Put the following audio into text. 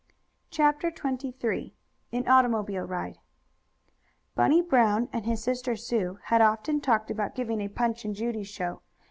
CHAPTER XXIII AN AUTOMOBILE RIDE Bunny Brown and his sister Sue had often talked about giving a Punch and Judy show.